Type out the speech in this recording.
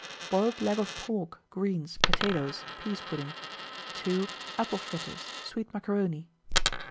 Boiled leg of pork, greens, potatoes, pease pudding. 2. Apple fritters, sweet macaroni.